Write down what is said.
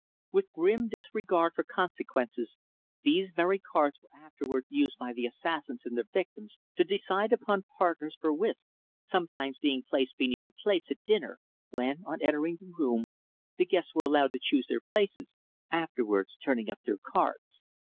With grim disregard for consequences these very cards were afterwards used by the assassins and their victims to decide upon partners for whist, sometimes being placed beneath the plates at dinner when, on entering the room, the guests were allowed to choose their places, afterwards turning up their cards.